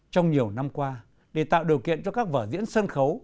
trong nhiều năm qua để tạo điều kiện cho các vở diễn sân khấu